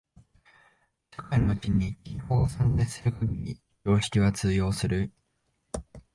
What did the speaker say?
社会のうちに均衡が存在する限り常識は通用する。